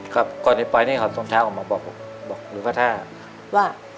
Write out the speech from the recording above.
ครับก่อนไปนี่ขอตรงเช้าออกมาบอกบอกลูกพระท่าว่า